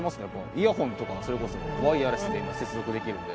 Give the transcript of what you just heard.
イヤホンとかそれこそワイヤレスで接続できるんで。